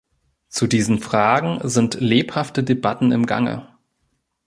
Zu diesen Fragen sind lebhafte Debatten im Gange.